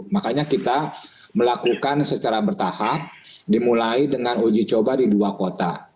makanya kita melakukan secara bertahap dimulai dengan uji coba di dua kota